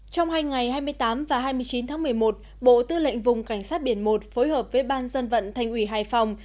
trong hai ngày hai mươi tám và hai mươi chín tháng một mươi một bộ tư lệnh vùng cảnh sát biển một phối hợp với ban dân vận thành ủy hải phòng